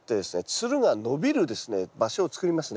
つるが伸びる場所を作りますね